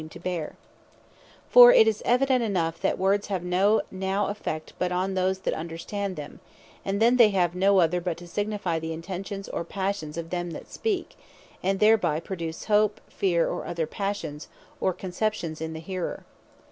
That Men Are Apt To Be Deceived By False Miracles For it is evident enough, that Words have no effect, but on those that understand them; and then they have no other, but to signifie the intentions, or passions of them that speak; and thereby produce, hope, fear, or other passions, or conceptions in the hearer.